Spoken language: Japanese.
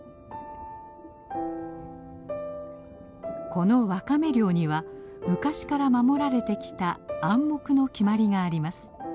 このワカメ漁には昔から守られてきた暗黙の決まりがあります。